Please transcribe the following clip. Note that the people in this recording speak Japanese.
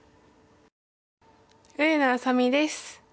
上野愛咲美です。